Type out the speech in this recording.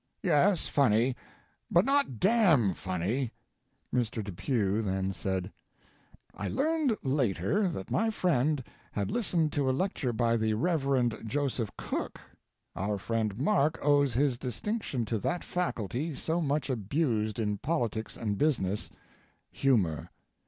"Yes, funny, but not damn funny." Mr. Depew then said: "I learned later that my friend had listened to a lecture by the Rev. Joseph Cook. Our friend Mark owes his distinction to that faculty so much abused in politics and business humor.